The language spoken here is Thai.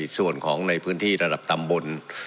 ส่วนของในพื้นที่ระดับตำบล